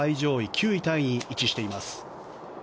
９位タイに位置しています。